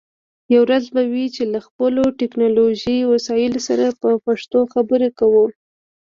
یوه ورځ به وي چې له خپلو ټکنالوژی وسایلو سره په پښتو خبرې کوو